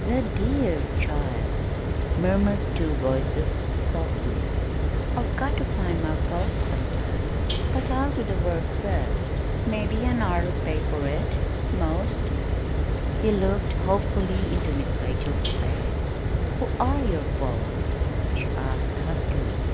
"The dear child!" murmured two voices softly. "I've got to find my folks, sometime, but I'll do the work first. Mebbe an hour'll pay for it 'most!" He looked hopefully into Miss Rachel's face. "Who are your folks?" she asked huskily.